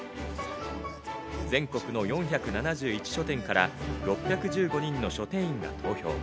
全国の４７１書店から６１５人の書店員が投票。